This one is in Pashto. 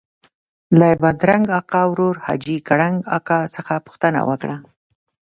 له بادرنګ اکا ورور حاجي کړنګ اکا څخه پوښتنه وکړه.